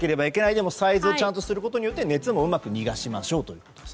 でもサイズをちゃんとすることによって熱もうまく逃がしましょうと。